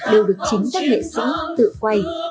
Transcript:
đều được chính các nghệ sĩ tự quay